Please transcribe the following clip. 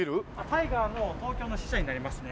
タイガーの東京の支社になりますね。